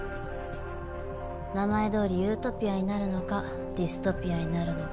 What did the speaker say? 名前どおりユートピアになるのかディストピアになるのか。